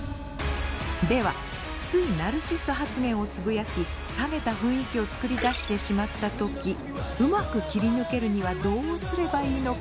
ではついナルシスト発言をつぶやき冷めた雰囲気を作り出してしまった時うまく切り抜けるにはどうすればいいのか。